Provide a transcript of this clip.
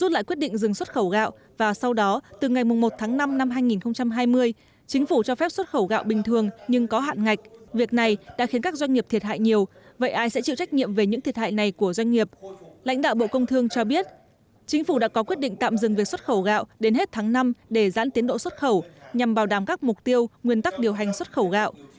lãnh đạo bộ công thương cho biết chính phủ đã có quyết định tạm dừng việc xuất khẩu gạo đến hết tháng năm để giãn tiến độ xuất khẩu nhằm bảo đảm các mục tiêu nguyên tắc điều hành xuất khẩu gạo